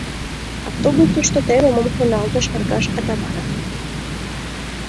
Автобусышто теве мом шоналтыш Аркаш Атаманов.